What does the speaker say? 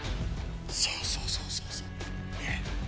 そうそうそうそう。